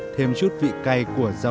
thêm chút vị cay của giá trị